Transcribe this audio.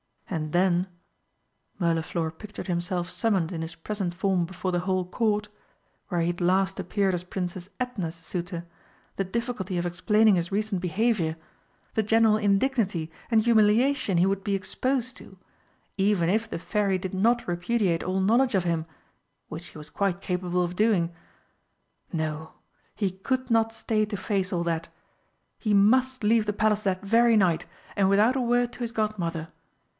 And then Mirliflor pictured himself summoned in his present form before the whole Court where he had last appeared as Princess Edna's suitor, the difficulty of explaining his recent behaviour the general indignity and humiliation he would be exposed to even if the Fairy did not repudiate all knowledge of him, which she was quite capable of doing! No, he could not stay to face all that he must leave the Palace that very night, and without a word to his Godmother.